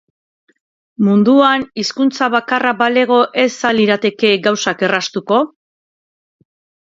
Munduan hizkuntza bakarra balego ez al lirateke gauzak erraztuko?